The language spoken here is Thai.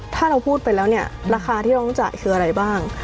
ถ้าเราพูดไปแล้วเนี่ยราคาที่เราต้องจ่ายคืออะไรบ้าง